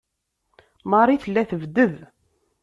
Marie tella tebded.